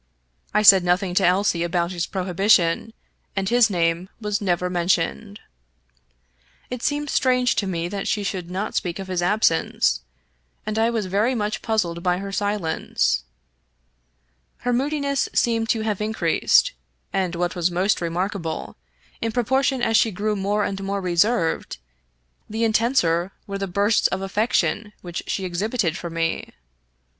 I said nothing to Elsie about his prohibition, and his name was never mentioned. It seemed strange to me that she should not speak of his absence, and I was very much puzzled by her silence. Her moodiness seemed to have increased, and, what was most remarkable, in proportion as she grew more and more reserved, the intenser were the bursts of affection which she exhibited for me.